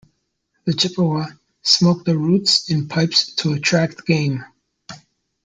The Chippewa smoke the roots in pipes to attract game.